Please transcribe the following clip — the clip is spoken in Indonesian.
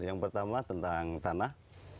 yang pertama tentang tanah